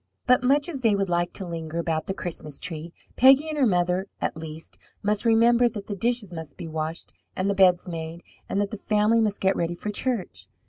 But much as they would like to linger about the Christmas tree, Peggy and her mother, at least, must remember that the dishes must be washed and the beds made, and that the family must get ready for church.